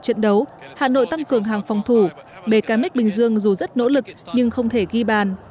trận đấu hà nội tăng cường hàng phòng thủ bkm bình dương dù rất nỗ lực nhưng không thể ghi bàn